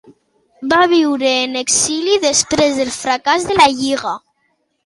Va viure en exili després del fracàs de la Lliga.